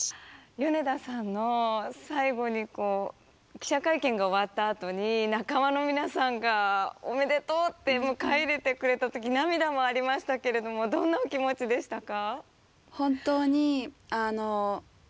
米田さんの最後にこう記者会見が終わったあとに仲間の皆さんがおめでとうって迎え入れてくれた時涙もありましたけれどもどんなお気持ちでしたか？